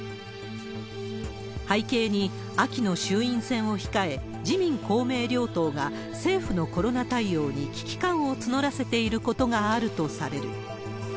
背景に秋の衆院選を控え、自民、公明両党が政府のコロナ対応に危機感を募らせていることがあるとされる。